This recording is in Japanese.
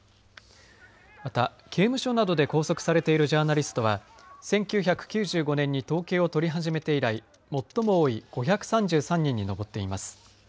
また刑務所などで拘束されているジャーナリストは１９９５年に統計を取り始めて以来、最も多い５３３人に上っています。